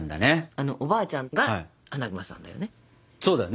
あのおばあちゃんがアナグマさんだよね。